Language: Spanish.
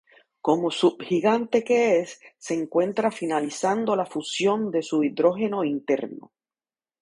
Como subgigante que es, se encuentra finalizando la fusión de su hidrógeno interno.